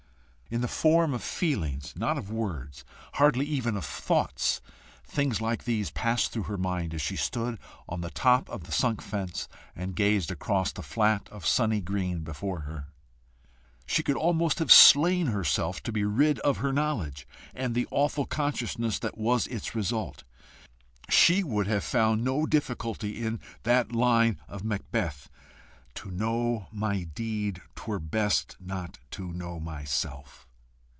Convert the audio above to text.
In the form of feelings, not of words, hardly even of thoughts, things like these passed through her mind as she stood on the top of the sunk fence and gazed across the flat of sunny green before her. She could almost have slain herself to be rid of her knowledge and the awful consciousness that was its result. SHE would have found no difficulty in that line of Macbeth: "To know my deed, 'twere best not know myself."